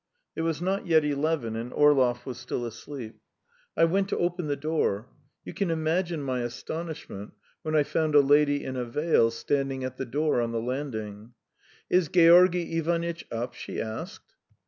It was not yet eleven, and Orlov was still asleep. I went to open the door. You can imagine my astonishment when I found a lady in a veil standing at the door on the landing. "Is Georgy Ivanitch up?" she asked.